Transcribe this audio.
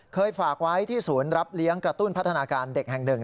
ฝากไว้ที่ศูนย์รับเลี้ยงกระตุ้นพัฒนาการเด็กแห่งหนึ่ง